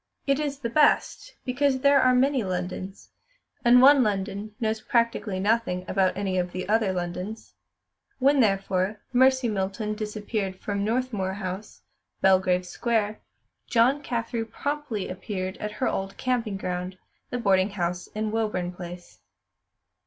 It is the best, because there are many Londons, and one London knows practically nothing about any of the other Londons. When, therefore, Mercy Milton disappeared from Northmuir House, Belgrave Square, Joan Carthew promptly appeared at her old camping ground, the boarding house in Woburn Place.